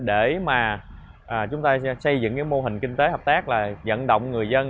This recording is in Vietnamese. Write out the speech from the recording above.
để mà chúng ta xây dựng cái mô hình kinh tế hợp tác là dẫn động người dân